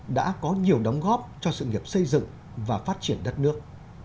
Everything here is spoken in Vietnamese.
đã có nhiều đóng góp cho sự nghiệp xây dựng và phát triển đất nước